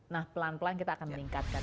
nah pelan pelan kita akan meningkatkan